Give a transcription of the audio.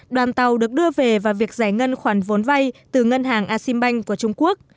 đoàn tàu được đưa về và việc giải ngân khoản vốn vay từ ngân hàng asimbanh của trung quốc